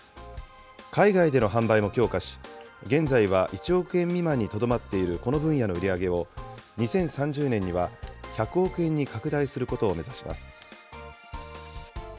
海外での販売も強化し、現在は１億円未満にとどまっているこの分野の売り上げを、２０３０年には１００億円に拡大することを目指します。